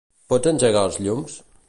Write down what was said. Pots engegar els llums?